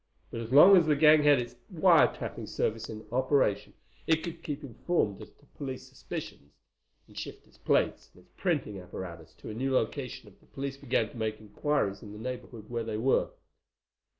But as long as the gang had its wire tapping service in operation, it could keep informed as to police suspicions—and shift its plates and its printing apparatus to a new location if the police began to make inquiries in the neighborhood where they were."